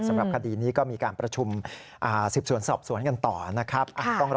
สำหรับคดีนี้ก็มีการประชุมสืบสวนสอบสวนกันต่อนะครับ